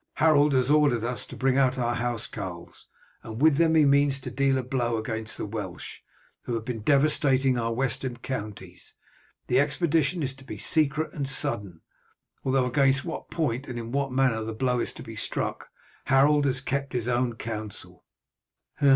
Harold has ordered us to bring out our housecarls, and with them he means to deal a blow against the Welsh, who have been devastating our western counties. The expedition is to be secret and sudden, although against what point and in what manner the blow is to be struck Harold has kept his own counsel."